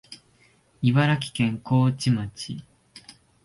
茨城県河内町